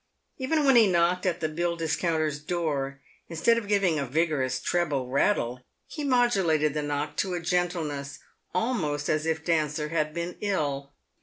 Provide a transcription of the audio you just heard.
Even when he knocked at the bill discounter's door, instead of giving a vigorous treble rattle, he modulated the knock to a gentleness, almost as if Dancer had been ill.